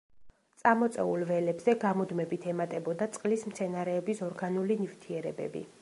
წამოწეულ ველებზე გამუდმებით ემატებოდა წყლის მცენარეების ორგანული ნივთიერებები.